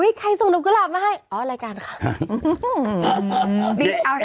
ใครส่งดอกกุหลาบมาให้อ๋อรายการค่ะ